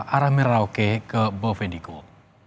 arah merauke ke bovendigul